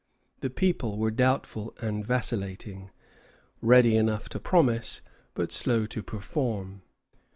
The people were doubtful and vacillating, ready enough to promise, but slow to perform.